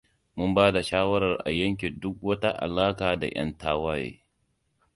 Mun bada shawarar a yanke duk wata alaƙa da yan tawaye.